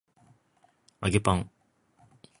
揚げパン